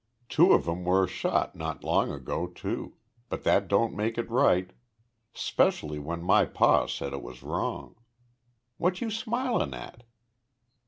Two of 'em were shot not long ago, too but that don't make it right. 'Specially when my pa said it was wrong. What you smilin' at?"